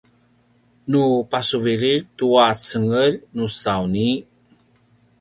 nu pasuvililj tu cengelj nusauni